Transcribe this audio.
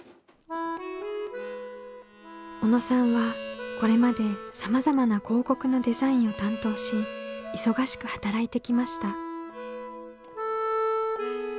小野さんはこれまでさまざまな広告のデザインを担当し忙しく働いてきました。